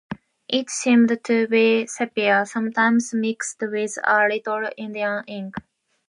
It seemed to be sepia, sometimes mixed with a little Indian ink.